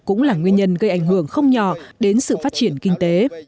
cũng là nguyên nhân gây ảnh hưởng không nhỏ đến sự phát triển kinh tế